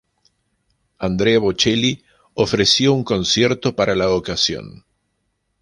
Andrea Bocelli ofreció un concierto para la ocasión.